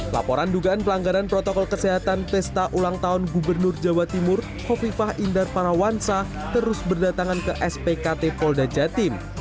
laporan dugaan pelanggaran protokol kesehatan pesta ulang tahun gubernur jawa timur kofifah indar parawansa terus berdatangan ke spkt polda jatim